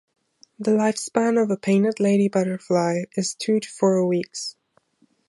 The lifespan of a painted lady butterfly is two to four weeks.